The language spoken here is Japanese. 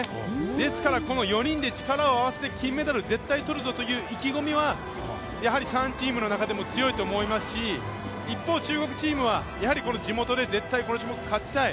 ですからこの４人で金メダル絶対取るぞという意気込みは３チームの中でも強いと思いますし、一方、中国チームはやはり地元で絶対この種目勝ちたい。